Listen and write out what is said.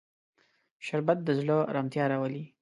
شربت د زړه ارامتیا راولي